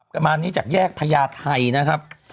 ก็มานี้จากแยกพระยาไทยนะครับ